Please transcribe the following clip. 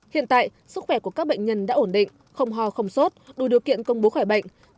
hiện tại sức khỏe của các bệnh nhân đã ổn định không ho không sốt đủ điều kiện công bố khỏi bệnh